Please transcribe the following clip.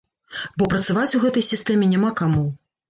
Бо працаваць у гэтай сістэме няма каму.